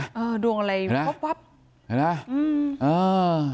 เออดวงอะไร